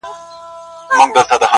د تهمتونو سنګسارونو شور ماشور تر کلي!.